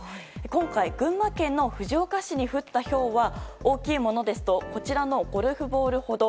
今回、群馬県の藤岡市に降ったひょうは大きいものですとゴルフボールほど。